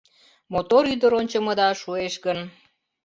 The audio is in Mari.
Мотор ӱдыр ончымыда шуэш гын